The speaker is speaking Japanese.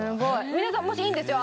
皆さんもしいいんですよ？